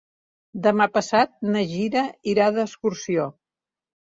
Demà passat na Gina irà d'excursió.